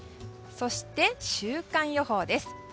そして週間予報です。